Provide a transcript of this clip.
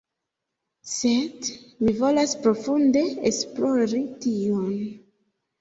sed mi volas profunde esplori tion